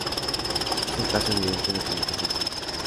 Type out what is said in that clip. es un caso evidente de comunicación pública